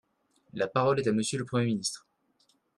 La parole est à Monsieur le Premier ministre.